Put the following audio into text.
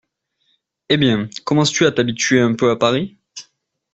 Eh bien, commences-tu à t’habituer un peu à Paris ?